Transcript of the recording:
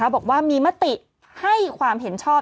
บอกว่ามีมติให้ความเห็นชอบ